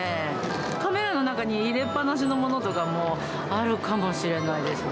カメラの中に入れっぱなしのものとかもあるかもしれないですね。